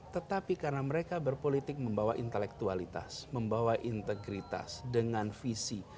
tetapi karena mereka berpolitik membawa intelektualitas membawa integritas dengan visi